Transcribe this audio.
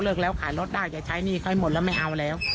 แล้วขายรถได้จะใช้หนี้เขาให้หมดแล้วไม่เอาแล้ว